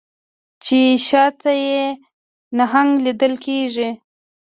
چې شا ته یې نهنګ لیدل کیږي